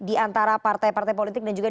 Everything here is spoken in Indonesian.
di antara partai partai politik dan juga